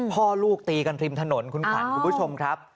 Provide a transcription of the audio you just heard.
พ่อลูกตีกันริมถนนคุณขวัญคุณผู้ชมครับ